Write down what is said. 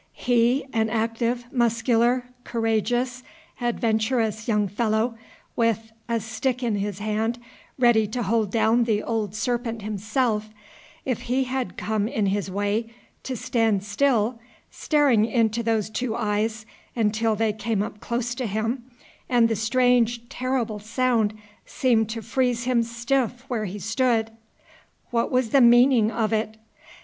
He, an active, muscular, courageous, adventurous young fellow, with a stick in his hand, ready to hold down the Old Serpent himself, if he had come in his way, to stand still, staring into those two eyes, until they came up close to him, and the strange, terrible sound seemed to freeze him stiff where he stood, what was the meaning of it?